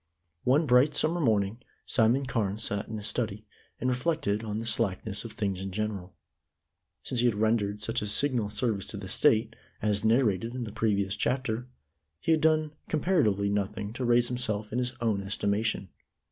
* One bright summer morning Simon Carne sat in his study, and reflected on the slackness of things in general. Since he had rendered such a signal service to the State, as narrated in the previous chapter, he had done comparatively nothing to raise himself in his own estimation.